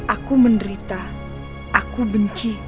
aku menderita aku benci